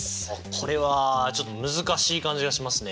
これはちょっと難しい感じがしますね。